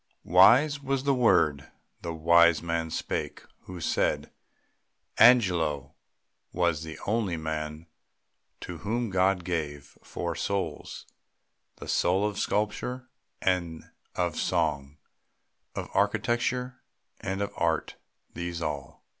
Wise was the word the wise man spake, who said, "Angelo was the only man to whom God gave Four souls," the soul of sculpture and of song, Of architecture and of art; these all.